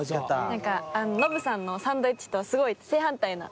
何かノブさんのサンドイッチとすごい正反対な。